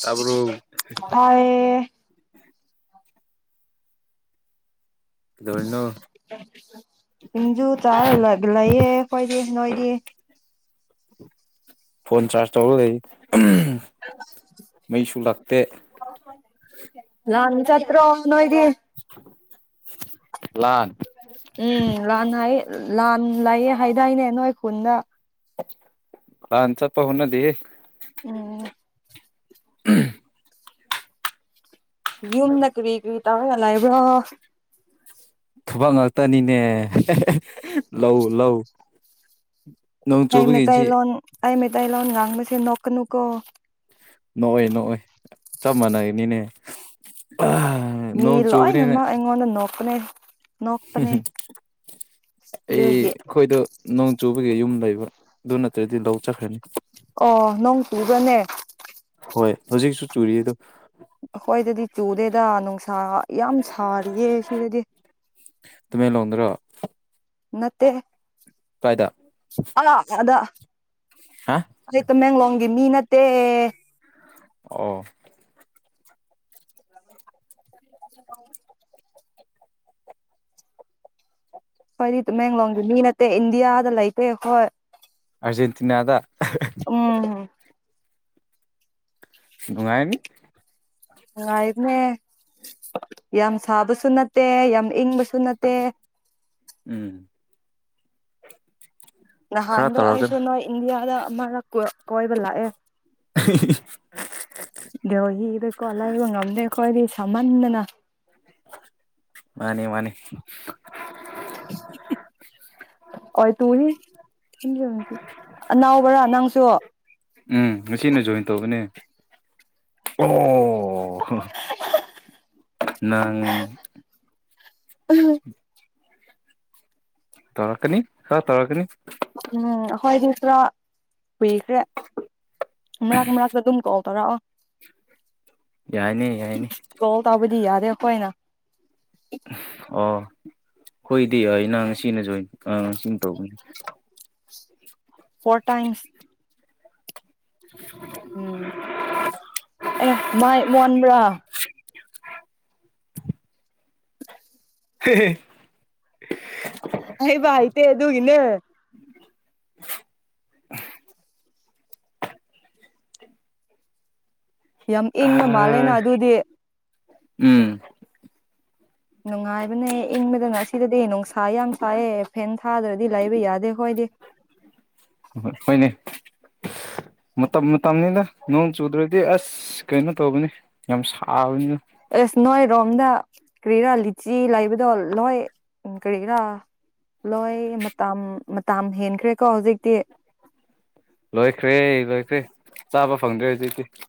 ꯇꯥꯕ꯭ꯔꯣ ꯗꯣꯅꯣ ꯏꯖꯨ ꯆꯥꯔ ꯂꯩꯌꯦꯦ ꯀꯣꯏꯗꯤ ꯅꯣꯏꯗꯤ ꯐꯣꯟꯣꯟ ꯆꯥꯖ ꯇꯧꯕꯗꯏ ꯂꯥꯛꯇꯦ ꯂꯥꯟ ꯆꯠꯇ꯭ꯔꯅ ꯑꯣꯏꯗꯤ ꯂꯥꯟ ꯎꯝ ꯂꯥꯟ ꯍꯥꯏ ꯂꯥꯟ ꯂꯩꯌꯦ ꯍꯥꯏꯗꯥꯏꯅꯦ ꯅꯣꯏ ꯈꯨꯟꯗ ꯂꯥꯟ ꯆ ꯄꯥꯎꯅꯗꯤ ꯑꯣ ꯎꯝ ꯌꯨꯝꯗ ꯀꯔꯤ ꯀꯨꯔꯤ ꯇꯥꯒ ꯂꯥꯏꯕ꯭ꯔꯥ ꯊꯕ ꯉꯥꯛꯇꯅꯤꯅꯦ ꯂꯧꯎ ꯂꯧ ꯅꯣꯡ ꯑꯩ ꯆꯨꯕꯒꯤꯁꯤ ꯃꯇꯩꯏ ꯂꯣꯟ ꯑꯩ ꯃꯇꯩꯏ ꯂꯣ ꯉꯥꯡ ꯕꯁꯤ ꯅꯣꯛ ꯅꯣꯀꯅꯨꯀꯣ ꯅꯣꯛꯑꯣꯏ ꯅꯣꯛꯑꯣꯏ ꯆꯞ ꯃꯥꯟꯅꯩꯅꯤꯅꯦ ꯃꯤ ꯂꯣꯏꯅꯃꯛ ꯑꯩꯉꯣꯟꯗ ꯅꯣꯛꯄꯅꯦ ꯅꯣꯛꯄꯅꯦ ꯑꯩ ꯑꯗꯨꯒꯤ ꯑꯩꯈꯣꯏꯗꯣ ꯆꯨꯕꯒꯤ ꯌꯨꯝ ꯂꯩꯕ ꯑꯗꯨ ꯅꯠꯇ꯭ꯔꯗꯤ ꯂꯧ ꯆꯠꯈ꯭ꯔꯅꯤ ꯑꯣ ꯅꯣꯡ ꯇꯨꯒꯅꯦ ꯍꯣꯏ ꯍꯧꯖꯤꯛꯁꯨ ꯆꯨꯔꯤ ꯑꯗꯣ ꯑꯩꯈꯣꯏꯗꯗꯤ ꯆꯨꯗꯦꯗ ꯅꯨꯡꯁꯥ ꯌꯥꯝ ꯁꯥꯔꯤꯌꯦ ꯁꯤꯗꯗꯤ ꯇꯃꯦꯡꯂꯣꯡꯗꯨ꯭ꯔ ꯅꯠꯇꯦ ꯑ ꯑꯗ ꯍꯥ ꯑꯩ ꯇꯃꯦꯡꯂꯣꯡꯒꯤ ꯃꯤ ꯅꯠꯇꯦ ꯑꯣ [inaudible] ꯐꯗꯤꯃꯦꯡꯂꯣꯡꯒꯤ ꯃꯤ ꯅꯠꯇꯦ ꯏꯟꯗꯤꯌꯥꯗ ꯂꯩꯇꯦ ꯍꯣꯏ ꯑꯔꯖꯦꯟꯇꯤꯅꯥꯗ ꯎꯝ ꯅꯨꯡꯉꯥꯏꯅꯤ ꯑ ꯏꯗꯅꯦ ꯌꯥꯝ ꯁꯥꯕꯁꯨꯅꯠꯇꯦ ꯌꯥꯝ ꯏꯪꯁꯨ ꯑꯗꯨꯅꯠꯇ ꯎꯝ ꯈꯔ ꯅꯍꯥꯟꯗꯣ ꯇꯧꯔꯒ ꯑꯩꯁꯨ ꯅꯣꯏ ꯏꯟꯗꯤꯌꯥꯗ ꯑꯃ ꯀꯣꯏꯕ ꯂꯥꯛꯑꯦ ꯗꯦꯍꯤꯀꯣ ꯑꯂ ꯏꯕ ꯉꯝꯗꯦ ꯀꯣ ꯑꯣꯏ ꯁꯃꯥꯟꯅꯅ ꯃꯥꯅꯤ ꯃꯥꯅꯤ [unintelligible] ꯍ ꯇꯨꯡ ꯅꯅꯥꯎꯕ꯭ꯔꯥ ꯅꯪꯁꯨ ꯎꯝ ꯉꯁꯤꯅ ꯖꯣꯏꯟ ꯇꯧꯕꯅꯦ ꯑꯣ ꯑꯪ ꯎꯝ ꯇꯧꯔꯀꯅꯤ ꯀ ꯇꯧꯔꯀꯅꯤ ꯎꯝ ꯑꯩꯈꯣꯏꯗꯤ ꯈꯔ ꯀꯨꯏꯈ꯭ꯔꯦ ꯃꯔꯥꯛ ꯃꯔꯥꯛꯛꯇ ꯑꯗꯨꯝ ꯀꯧ ꯇꯔꯛꯑꯣ ꯌꯥꯅꯦ ꯌꯥꯏꯅꯤ ꯑꯗ ꯄꯣꯏꯅ ꯑ ꯍꯣꯏꯗꯤ ꯅꯪ ꯁꯤꯅꯁꯨ ꯑꯥ ꯁꯤꯨꯝ ꯇꯧꯕꯒꯅꯤ ꯐꯣꯔ ꯇꯥꯏꯝꯁ ꯎꯝ ꯑꯦ ꯃꯥꯏ ꯃꯣꯟꯕ꯭ꯔꯥ [inaudible] ꯍ ꯑꯌꯦꯕ ꯏꯇ ꯑꯗꯨꯒꯤꯅꯦ [inaudible] ꯌꯥꯝ ꯏꯪꯕ ꯃꯥꯜꯂꯦꯅ ꯑꯗꯨꯗꯤ ꯎꯝ ꯅꯨꯡꯉꯥꯏꯕꯅꯦ ꯏꯪꯕꯗ ꯉꯁꯤꯗꯗꯤ ꯅꯨꯡꯁꯥ ꯌꯥꯝ ꯆꯥꯏꯑꯦ ꯐꯦꯟ ꯊꯥꯗ꯭ꯔꯗꯤ ꯂꯩꯕ ꯌꯥꯗꯦ ꯍꯣꯏꯗꯤ ꯍꯣꯏꯅꯦ ꯃꯇꯝ ꯃꯇꯝꯅꯤꯅ ꯅꯣꯡ ꯆꯨꯗ꯭ꯔꯗꯤ ꯑꯁ ꯀꯩꯅꯣ ꯇꯧꯕꯅꯤ ꯌꯥꯝ ꯁꯥꯕꯅꯤꯅ ꯑꯦꯁ ꯅꯣꯏꯔꯣꯝꯗ ꯀꯔꯤꯔꯥ ꯂꯤꯆꯤ ꯂꯩꯕꯗꯣ ꯂꯣꯏ ꯀꯔꯤꯔꯥ ꯂꯣꯏ ꯃꯇ ꯃꯇꯝ ꯍꯦꯟꯈ꯭ꯔꯦꯀꯣ ꯍꯧꯖꯤꯛꯇꯤ ꯂꯣꯏꯈ꯭ꯔꯦ ꯂꯣꯏꯈ꯭ꯔꯦ ꯆꯥꯕ ꯐꯪꯗ꯭ꯔꯦ ꯍꯧꯖꯤꯛꯇꯛꯇꯤ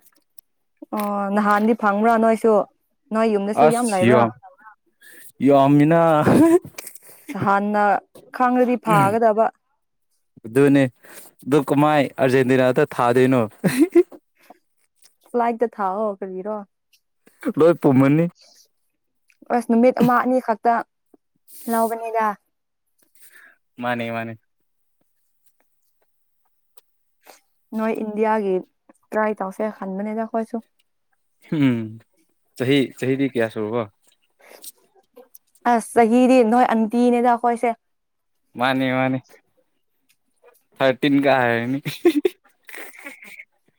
ꯅꯍꯥꯟꯗꯤ ꯐꯪꯕ꯭ꯔꯥ ꯅꯣꯏꯁꯨ ꯑꯣ ꯅꯣꯏ ꯌꯨꯝꯗꯁꯨ ꯌꯥꯝ ꯂꯩꯕ꯭ꯔꯥ ꯏꯣ ꯑꯃꯃꯤꯅꯥ ꯍꯥꯟꯅ ꯈꯪꯗꯗꯤ ꯐꯥꯒꯗꯕ ꯑꯗꯨꯗꯨꯅꯤ ꯗꯨ ꯀ ꯃꯥꯥꯏ ꯑꯔꯖꯦꯟꯇꯤꯅꯥ ꯇ ꯊꯥꯗꯅꯣ ꯐ꯭ꯂꯥꯏꯏꯛꯗ ꯊꯥ ꯀꯕꯤꯔꯣ ꯂꯣꯏ ꯄꯨꯝꯃꯅꯤ ꯑꯁ ꯅꯨꯃꯤꯠ ꯑꯃ ꯑꯅꯤ ꯈꯛꯇ ꯂꯧꯕꯅꯤꯗ ꯃꯥꯅꯦ ꯃꯥꯅꯦ ꯅꯣꯏ ꯏꯟꯗꯤꯌꯥꯒꯤ ꯇ꯭ꯔꯥꯏ ꯇꯧꯁꯦ ꯈꯟꯕꯅꯦꯅ ꯑꯩꯈꯣꯏꯁꯨ ꯎꯝ ꯆꯍꯤ ꯆꯍꯤꯗꯤ ꯀꯌꯥ ꯁꯨꯔꯕꯣ ꯑꯁ ꯆꯍꯤꯗꯤ ꯅꯣꯏ ꯑꯟꯇꯅꯦꯗ ꯀꯣꯏꯁꯦ ꯃꯥꯅꯤ ꯃꯥꯅꯤ ꯊꯔꯇꯤꯟ ꯀ ꯍꯥꯏ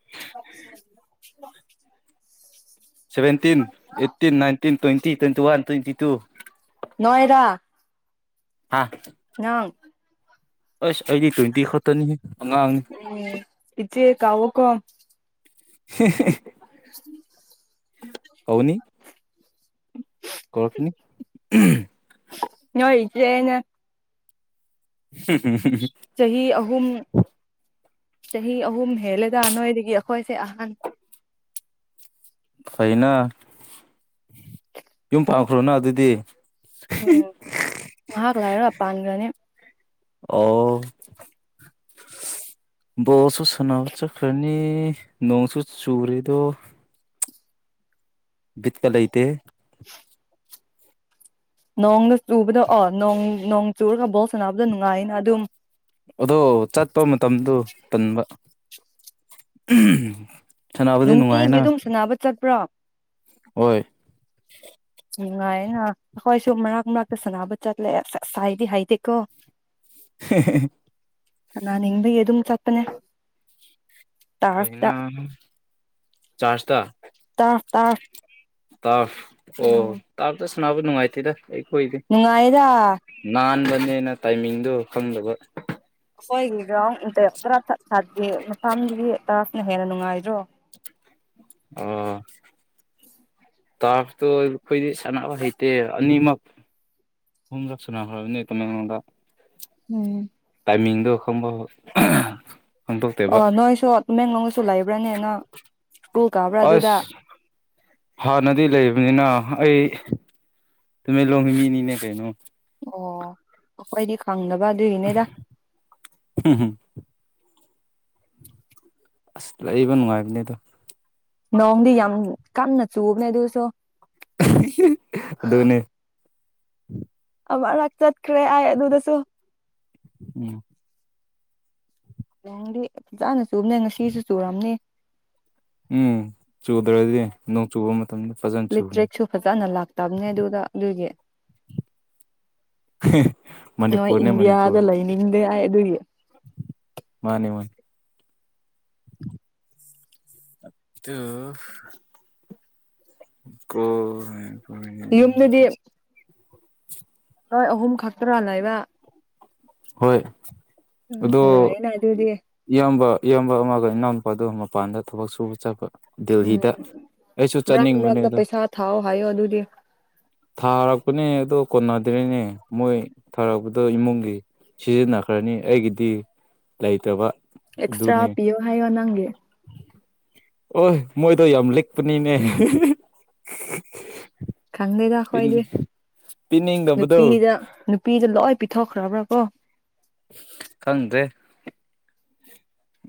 [inaudible] seventeen eighteen nineteen twenty twenty one twenty two ꯅꯣꯏꯔ ꯍꯥ ꯑꯪ ꯑꯁ ꯑꯩꯗꯤ ꯇ꯭ꯋꯦꯟꯇꯤ ꯈꯛꯇꯅꯤ ꯑꯉꯥꯡꯅꯤ ꯀꯑꯣ ꯀꯣ ꯍ [inaudible] ꯍꯧꯅꯤ ꯀꯧꯔꯛꯁꯅꯤ ꯂꯩꯩꯅ ꯍꯝ ꯆꯍꯤ ꯑꯍꯨꯝ ꯆꯍꯤ ꯑꯍꯨꯝ ꯍꯦꯜꯂꯦꯗ ꯅꯣꯏꯗꯒꯤ ꯑꯩꯈꯣꯏꯁꯦ ꯑꯍꯟ ꯐꯩꯅ ꯌꯨꯝ ꯄꯥꯈ꯭ꯔꯣꯅ ꯑꯗꯨꯗꯤ ꯎꯝ ꯉꯥꯏꯍꯥꯛ ꯂꯥꯛꯔ ꯄꯥꯟꯈ꯭ꯔꯅꯤ ꯑꯣ ꯕꯣꯜꯁꯨ ꯁꯅꯥꯕ ꯆꯈ꯭ꯔꯥꯅꯤ ꯅꯣꯡꯁꯨ ꯆꯔꯤꯗꯣ ꯕꯤꯠꯀ ꯂꯩꯇ ꯅꯣꯡꯅ ꯆꯨꯕꯗ ꯑꯣ ꯅꯣꯡ ꯅꯣꯡ ꯆꯨꯔꯒ ꯕꯣꯜ ꯁꯥꯟꯅꯕꯗ ꯅꯨꯡꯉꯥꯏꯅ ꯑꯗꯨꯝ ꯑꯗꯣ ꯆꯠꯄ ꯃꯇꯝꯗꯨ ꯇꯟꯕ ꯁꯥꯟꯅꯕꯗꯤ ꯅꯨꯡꯇꯤ ꯒꯤ ꯅꯨꯡꯉꯥꯏꯅ ꯑꯗꯨꯝ ꯁꯅꯕ ꯆꯠꯄ꯭ꯔꯣ ꯍꯣꯏ ꯅꯨꯡꯉꯥꯏꯌꯦꯅ ꯑꯩꯈꯣꯏꯁꯨ ꯃꯔꯛ ꯃꯔꯛꯇ ꯁꯥꯟꯅꯕ ꯆꯠꯂꯦ ꯑꯁ ꯑꯁꯥꯏꯗꯤ ꯍꯥꯏꯗꯦꯀꯣ [inaudible] ꯁꯅꯥ ꯅꯤꯡꯕꯒꯤ ꯑꯗꯨꯝ ꯆꯠꯄꯅꯦ ꯇꯥꯔꯐꯇ ꯐꯅ ꯆꯥꯖ ꯊ ꯇꯥꯔꯐ ꯇꯥꯔꯐ ꯇꯥꯔꯞ ꯎꯝ ꯇꯥ ꯁꯥꯅꯕ ꯅꯨꯉꯥꯏꯇꯦꯕꯥ ꯑꯩꯈꯣꯏꯗꯤ ꯅꯨꯡꯉꯥꯏꯗ ꯅꯥꯟꯕꯅꯦꯅ ꯇꯥꯏꯃꯤꯡꯗꯣ ꯈꯪꯗꯕ [unintelligible] ꯅ ꯍꯦꯟꯅ ꯅꯨꯡꯉꯥꯏꯗ꯭ꯔꯣ ꯑꯣ ꯇꯥꯔꯞ ꯑꯩꯈꯣꯏꯗꯤ ꯁꯥꯟꯅꯕ ꯍꯩꯇꯦ ꯑꯅꯤꯃꯛ ꯑꯍꯨꯝꯂꯛ ꯁꯥꯟꯅꯈ꯭ꯔꯕꯅꯤ ꯇꯃꯦꯡꯂꯣꯡꯗ ꯎꯝ ꯇꯥꯏꯃꯤꯡꯗꯣ ꯈꯪꯗꯣꯛꯇꯦꯕ ꯑꯣ ꯅꯣꯏꯁꯨ ꯇꯃꯦꯡꯂꯣꯡꯗꯁꯨ ꯂꯩꯕ꯭ꯔꯥꯅꯦꯅ ꯁ꯭ꯀꯨꯜ ꯀꯥꯕ꯭ꯔꯥ ꯑꯗꯨꯗ ꯑꯁ ꯍꯥꯟꯅꯗꯤ ꯂꯩꯕꯅꯤꯅ ꯑꯩ ꯇꯃꯦꯡꯂꯣꯡꯒꯤ ꯃꯤꯅꯤꯅꯦ ꯀꯩꯅꯣ ꯑꯣ ꯑꯩꯈꯣꯏꯗꯤ ꯈꯪꯗꯕ ꯑꯗꯨꯒꯤꯅꯦꯗ ꯑꯁ ꯂꯩꯥꯏꯕ ꯅꯨꯡꯉꯥꯏꯕꯅꯦꯗꯣ ꯅꯣꯡꯗꯤ ꯌꯥꯝ ꯀꯟꯅ ꯆꯨꯕꯅꯦ ꯑꯗꯨꯁꯨ ꯑꯗꯨꯗꯅꯦ ꯑꯃ ꯔꯛ ꯆꯠꯈ꯭ꯔꯦ ꯑꯩ ꯑꯗꯨꯗꯁꯨ ꯎꯝ ꯅꯣꯡꯗꯤ ꯐꯖꯥꯅ ꯆꯨꯝꯕꯅꯦ ꯉꯁꯤꯁꯨ ꯆꯨꯔꯝꯅꯤ ꯎꯝ ꯆꯨꯗ꯭ꯔꯗꯤ ꯏ ꯆꯨꯕ ꯃꯇꯝꯗ ꯐꯖꯅ ꯆꯨꯕꯅꯤ ꯏꯂꯤꯇ꯭ꯔꯤꯛꯁꯨ ꯐꯖꯅ ꯂꯥꯛꯇꯕꯅꯦ ꯑꯗꯨꯗ ꯑꯗꯨꯒꯤ ꯅꯣꯏ ꯃꯅꯤꯄꯨꯔꯅꯦ ꯏꯟꯗꯤꯌꯥꯗ ꯃꯅꯤꯄꯨꯔ ꯂꯥꯏꯅꯤꯡꯗꯦ ꯃꯥꯅꯦ ꯃꯥꯅꯦ ꯑꯗꯨ ꯀ ꯌꯨꯝꯗꯗꯤ ꯅꯣꯏ ꯑꯍꯨꯝ ꯈꯛꯇ꯭ꯔꯥ ꯂꯩꯏꯕ ꯍꯣꯏ ꯑꯗꯣ ꯅꯨꯡꯉꯥꯏꯌꯦꯅ ꯑꯗꯨꯗꯤ ꯏꯌꯥꯝꯕ ꯏꯌꯥꯝꯕ ꯑꯃꯒ ꯏ ꯅꯎ ꯑꯗꯨꯣ ꯃꯄꯥꯟꯗ ꯊꯕꯛ ꯁꯨꯕ ꯆꯠꯄ ꯗꯦꯜꯍꯤꯗ ꯎꯝ ꯑꯩꯁꯨ ꯃꯔꯛ ꯆꯠꯅꯤꯡꯕꯅꯦ ꯃꯔꯛꯇ ꯑꯗꯣ ꯄꯩꯁꯥ ꯊꯥꯎ ꯍꯥꯏꯌꯣ ꯑꯗꯨꯗꯤ ꯊꯥꯔꯛꯄꯅꯦ ꯑꯗꯣ ꯀꯣꯟꯅꯗ꯭ꯔꯦꯅꯦ ꯃꯣꯏ ꯊꯥꯔꯛꯄꯗꯣ ꯏꯃꯨꯡꯒꯤ ꯁꯤꯖꯤꯟꯅꯈ꯭ꯔꯅꯤ ꯑꯩꯒꯤꯗꯤ ꯂꯩꯇꯕ ꯑꯦꯛꯁꯇ꯭ꯔꯥ ꯄꯤꯣ ꯍꯥꯏ ꯋꯥ ꯅꯪꯦ ꯑꯣꯏ ꯃꯣꯏꯗꯣ ꯌꯥꯝ ꯂꯤꯛꯄꯅꯤꯅꯦ ꯈꯪꯗꯦꯗ ꯑꯩꯈꯣꯏꯗꯤ ꯄꯤꯅꯤꯡꯗꯕꯗꯣ ꯅꯨꯄꯤꯗ ꯅꯨꯄꯤꯗ ꯂꯣꯏ ꯄꯤꯊꯣꯛꯈ꯭ꯔꯕ꯭ꯔꯥ ꯀꯣ ꯈꯪꯗꯦ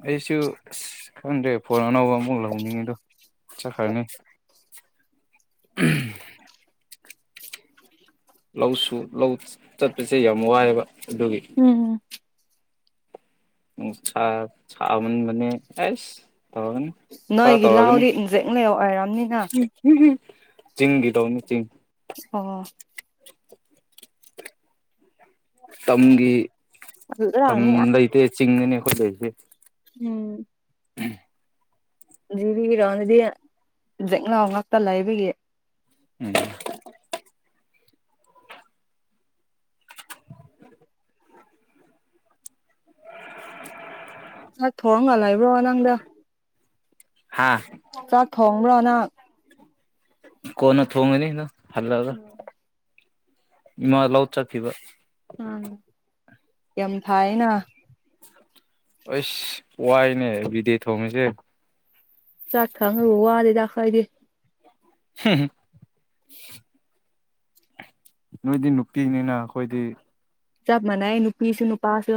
ꯑꯩꯁꯨ ꯑꯁ ꯈꯪꯗ꯭ꯔꯦ ꯐꯣꯟ ꯑꯅꯧꯕ ꯑꯃꯨꯛ ꯂꯧꯅꯤꯡꯉꯤꯗꯣ ꯏꯆꯥ ꯈꯔꯅꯤ ꯂꯧꯁꯨ ꯂꯧ ꯆꯠꯄꯁꯦ ꯌꯥꯝ ꯋꯥꯏꯑꯦꯕ ꯑꯗꯨꯒꯤ ꯎꯝ ꯎ ꯆ ꯃꯅꯤ ꯑꯁ ꯇꯧꯔꯒꯅꯤ ꯈꯔ ꯅꯣꯏꯒꯤ ꯇꯧꯔꯒꯅꯤ ꯂꯥꯎꯗꯤ ꯏꯟꯖꯦꯛ ꯂꯩ ꯑꯣꯏꯔꯝꯅꯤꯅ ꯆꯤꯡꯤꯡꯒꯤ ꯇꯧꯅꯤ ꯆꯤꯡ ꯑꯣ ꯇꯝꯒꯤ ꯇꯝ ꯑꯗꯨꯗꯔꯥꯅꯤ ꯂꯩꯇꯦ ꯆꯤꯡꯉꯅꯤ ꯑꯩꯈꯣꯏ ꯂꯩꯁꯦ ꯎꯝ ꯖꯤꯕꯤꯔꯣꯗꯗꯤꯦꯛꯅꯥꯎ ꯉꯥꯛꯇ ꯂꯩꯕꯒꯤ ꯎꯝ [unintelligible] ꯑ ꯊꯣꯔꯣꯡ ꯉꯜꯂꯏꯕ꯭ꯔꯣ ꯅꯪꯗ ꯍꯥꯥ ꯆꯥꯛ ꯊꯣꯡꯕ꯭ꯔꯣ ꯅꯍꯛ ꯀꯣꯟꯅ ꯊꯣꯡꯉꯅꯤꯅ ꯍꯜꯂꯒ ꯏꯃꯥ ꯂꯧ ꯆꯠꯈꯤꯕ ꯌꯥꯝ ꯊꯥꯏꯅ ꯑꯁ ꯋꯥꯏꯅꯦ ꯕꯤꯗꯦ ꯊꯣꯡꯉꯁꯦ ꯆꯠꯥꯉ ꯋꯥꯗꯗ ꯈꯥꯏꯗꯤ ꯍꯝ ꯅꯣꯏꯗꯤ ꯅꯨꯡꯇꯤꯅꯤꯅ ꯑꯩꯈꯣꯏꯗꯤ ꯆꯞ ꯃꯅꯥꯏ ꯅꯨꯄꯤꯁꯨ ꯅꯨꯄꯥꯁꯨ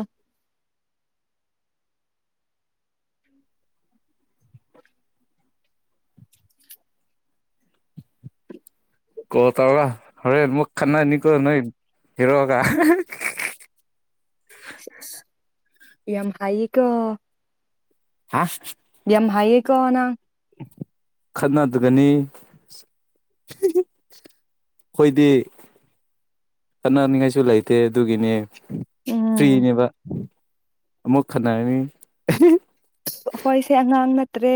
ꯀꯣ ꯇꯕ ꯍꯔꯦ ꯃꯨ ꯈꯥꯟꯅꯅꯤ ꯀꯣ ꯅꯣꯏ ꯍꯤꯔꯣ ꯀ [unintelligible] ꯌꯥꯝ ꯍ ꯀ ꯍꯥ ꯌꯥꯝꯦꯝ ꯍꯥꯏꯌꯦ ꯀꯣꯅꯥ ꯈꯠꯅꯗꯒꯅꯤ ꯑꯩꯣꯏꯗꯤ ꯀꯅꯅꯤꯡꯉꯥꯏꯁꯨ ꯂꯩꯇꯦ ꯑꯗꯨꯒꯤꯅꯦ ꯎꯝ ꯐ꯭ꯔꯤꯅꯦꯕ ꯑꯃꯨꯛ ꯈꯟꯅꯔꯅꯤ ꯑꯩꯈꯣꯏꯁꯦ ꯑꯉꯥꯡ ꯅꯠꯇ꯭ꯔꯦ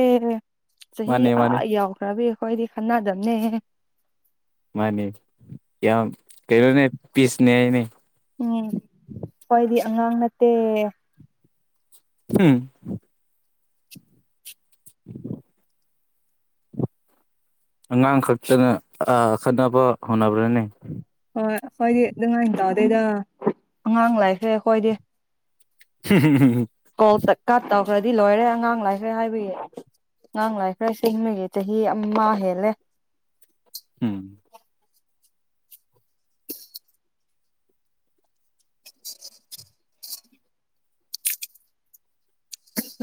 ꯆꯍꯤ ꯃꯥꯅꯦ ꯑ ꯃꯥꯅꯦ ꯌꯥꯎꯈ꯭ꯔꯕꯤ ꯍꯣꯏꯔꯤ ꯈꯅꯥꯗꯃꯦꯦ ꯃꯥꯅꯤ ꯌꯥꯝ ꯀꯣꯅꯦ ꯄꯤꯁꯅꯦꯅꯦ ꯎꯝ ꯈꯣꯏꯗꯤ ꯑꯉꯥꯡ ꯅꯠꯇꯦ ꯎꯝ ꯎꯝ ꯑꯉꯥꯡ ꯈꯛꯇꯅ ꯑꯈꯠꯅꯕ ꯍꯣꯠꯅꯕ꯭ꯔꯅꯦ ꯍꯣꯏ ꯍꯣꯏꯗꯤ ꯉꯥꯏꯅ ꯇꯧꯗꯩꯗ ꯑꯉꯥꯡ ꯂꯥꯛꯁꯦ ꯑꯩꯈꯣꯏꯗꯤ [unintelligible] ꯈꯔꯗꯤ ꯂꯣꯏꯔꯦ ꯑꯉꯥꯡ ꯂꯥꯏꯈ꯭ꯔꯦ ꯍꯥꯏꯕꯌꯦ ꯑꯉꯥꯡ ꯂꯥꯏ ꯈꯔ ꯁꯤꯤꯡꯃꯒꯤ ꯆꯍꯤ ꯑꯃ ꯍꯦꯜꯂꯦ ꯍꯝ [unintelligible]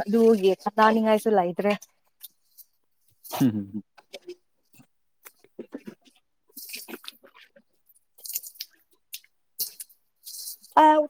ꯑꯗꯨꯗ ꯍꯒꯦ ꯆꯗꯥꯅꯤ ꯉꯥꯏꯁꯂ ꯍꯥꯏꯗ꯭ꯔꯦ [unintelligible] [unintelligible] ꯑꯥꯎ